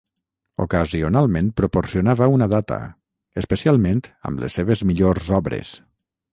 Ocasionalment proporcionava una data, especialment amb les seves millors obres.